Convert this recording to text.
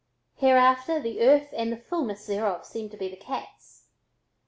Hereafter the earth and the fulness thereof seemed to be the cat's.